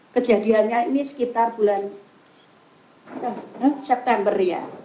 kejadiannya ini sekitar bulan september ya